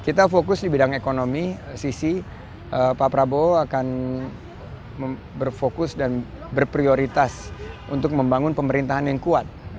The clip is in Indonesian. kita fokus di bidang ekonomi sisi pak prabowo akan berfokus dan berprioritas untuk membangun pemerintahan yang kuat